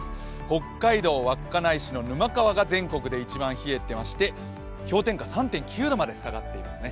北海道稚内市の沼川が全国で一番冷えていまして氷点下３．９度まで下がっていますね。